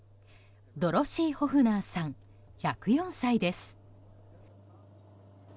ドロシー・ホフナーさん１０４歳です。